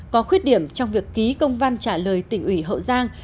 có khuyết điểm trong việc ký công văn trả lời tỉnh ủy hậu giang